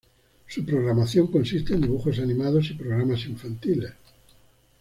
Su programación consiste en dibujos animados y programas infantiles.